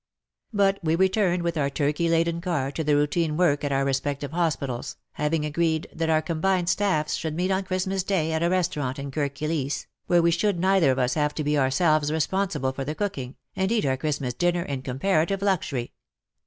But we returned with our turkey laden car to the routine work at our respective hospitals, having agreed that our combined staffs should meet on Xmas Day at a restaurant in Kirk Kilisse, where we should neither of us have to be ourselves responsible for the cooking, and eat our Xmas dinner in comparative luxury.